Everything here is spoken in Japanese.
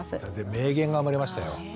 名言が生まれましたよ。